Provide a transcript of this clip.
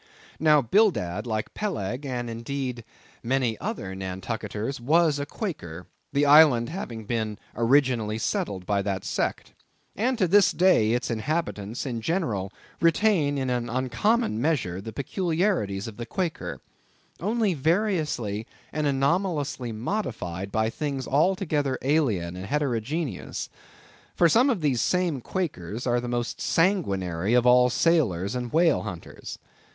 Now, Bildad, like Peleg, and indeed many other Nantucketers, was a Quaker, the island having been originally settled by that sect; and to this day its inhabitants in general retain in an uncommon measure the peculiarities of the Quaker, only variously and anomalously modified by things altogether alien and heterogeneous. For some of these same Quakers are the most sanguinary of all sailors and whale hunters.